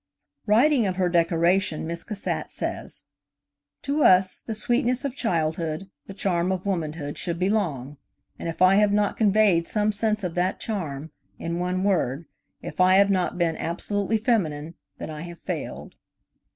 Writing of her decoration, Miss Cassatt says: "To us, the sweetness of childhood, the charm of womanhood should belong, and if I have not conveyed some sense of that charm–in one word, if I have not been absolutely feminine, then I have failed."